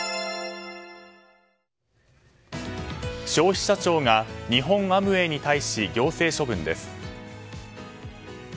消費者庁が日本アムウェイに対し行政処分です。